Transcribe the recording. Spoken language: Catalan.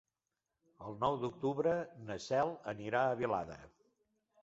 El nou d'octubre na Cel anirà a Vilada.